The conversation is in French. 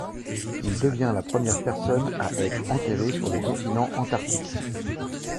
Il devient la première personne à être enterré sur le continent Antarctique.